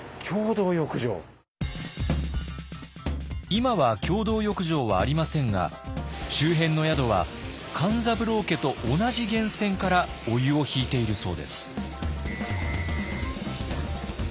今は共同浴場はありませんが周辺の宿は勘三郎家と同じ源泉からお湯を引いているそうです。